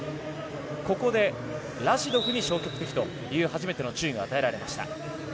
ここでラシドフに消極的という初めての注意が与えられました。